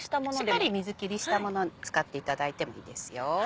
しっかり水きりしたものを使っていただいてもいいですよ。